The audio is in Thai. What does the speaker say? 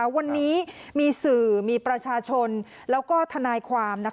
วันนี้มีสื่อมีประชาชนแล้วก็ทนายความ